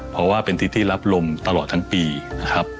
เพราะว่าเป็นทิศที่รับลมตลอดทั้งปีนะครับ